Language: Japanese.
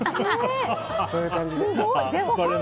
そういう感じで。